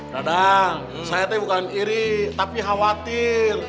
tadang saya tuh bukan ngiri tapi khawatir